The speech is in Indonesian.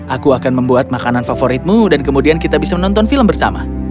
aku akan membuat makanan favoritmu dan kemudian kita bisa menonton film bersama